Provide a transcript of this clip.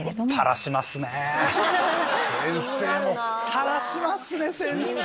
たらしますね先生！